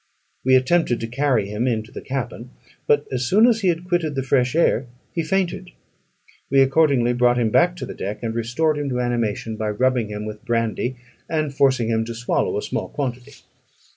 We attempted to carry him into the cabin; but as soon as he had quitted the fresh air, he fainted. We accordingly brought him back to the deck, and restored him to animation by rubbing him with brandy, and forcing him to swallow a small quantity.